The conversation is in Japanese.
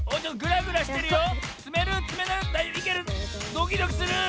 ドキドキする！